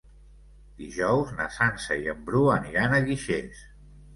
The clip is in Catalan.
Dijous na Sança i en Bru aniran a Guixers.